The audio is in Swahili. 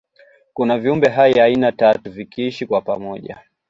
kuna viumbe hai aina tatu vikiishi kwa pamoja